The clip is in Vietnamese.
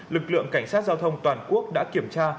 lực lượng cảnh sát giao thông toàn quốc đã kiểm tra